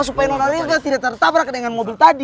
supaya nona riva tidak tertabrak dengan mobil tadi